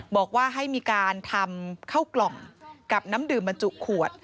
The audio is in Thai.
บอกว่าให้มีการทำเข้ากล่องกับน้ำดื่มบรรจุขวด